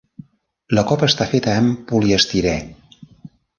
La copa està feta amb poliestirè.